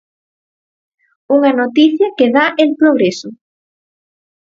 Unha noticia que dá El Progreso.